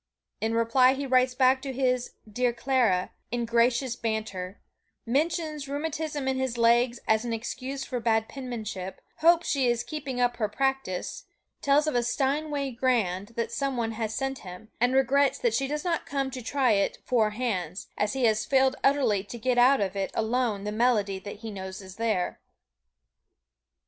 In reply he writes back to his "Dear Clara" in gracious banter; mentions rheumatism in his legs as an excuse for bad penmanship; hopes she is keeping up her practise; tells of a "Steinway Grand" that some one has sent him, and regrets that she does not come to try it "four hands," as he has failed utterly to get out of it alone the melody that he knows is there.